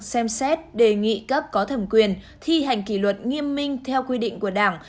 xem xét đề nghị cấp có thẩm quyền thi hành kỷ luật nghiêm minh theo quy định của đảng